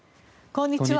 こんにちは。